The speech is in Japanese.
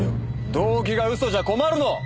動機が嘘じゃ困るの！